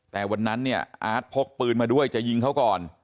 แต่วันนั้นเนี่ยอาร์ตพกปืนมาด้วยจะยิงเขาก่อน